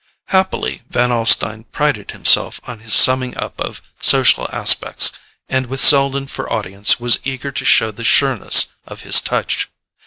Happily Van Alstyne prided himself on his summing up of social aspects, and with Selden for audience was eager to show the sureness of his touch.